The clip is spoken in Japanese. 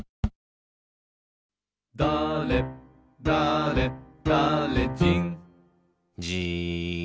「だれだれだれじん」じーっ。